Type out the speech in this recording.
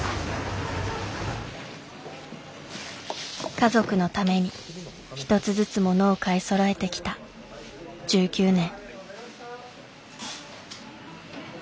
家族のために一つずつ物を買いそろえてきた１９年。